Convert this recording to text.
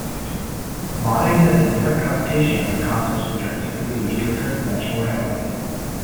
Modding has a different connotation on consoles which are typically restricted much more heavily.